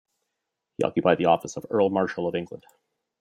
He occupied the office of Earl Marshal of England.